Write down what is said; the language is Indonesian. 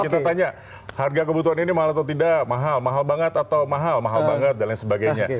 kita tanya harga kebutuhan ini mahal atau tidak mahal mahal banget atau mahal mahal banget dan lain sebagainya